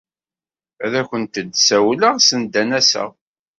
Ad akent-d-ssawleɣ send ad n-aseɣ.